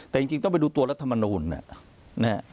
แต่จริงต้องไปดูตัวรัฐมนูลนะฮะ